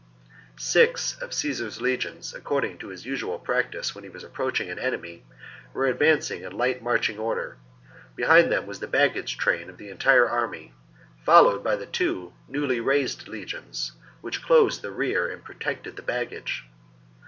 Six of Caesar's legions, according to his usual practice when he was approaching ' an enemy, were advancing in light marching order ; behind them was the baggage train of the entire army, followed by the two newly raised legions, which closed the rear and protected the baggage.